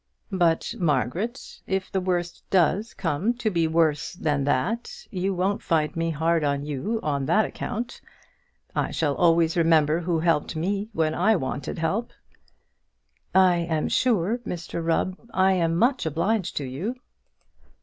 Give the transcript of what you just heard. But, Margaret, if the worst does come to be worse than that you won't find me hard to you on that account. I shall always remember who helped me when I wanted help." "I am sure, Mr Rubb, I am much obliged to you."